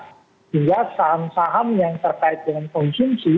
sehingga saham saham yang terkait dengan konsumsi